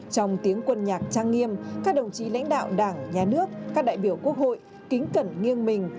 trong tiếng quân nhạc trang nghiêm các đồng chí lãnh đạo đảng nhà nước các đại biểu quốc hội kính cẩn nghiêng mình